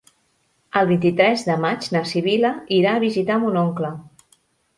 El vint-i-tres de maig na Sibil·la irà a visitar mon oncle.